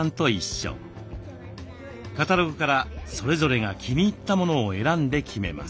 カタログからそれぞれが気に入ったものを選んで決めます。